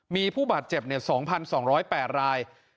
มีผู้บาดเจ็บ๒๒๐๘ราย